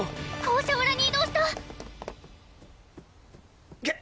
校舎裏に移動した！